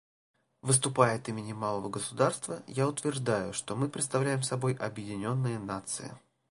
Выступая от имени малого государства, я утверждаю, что мы представляем собой объединенные нации.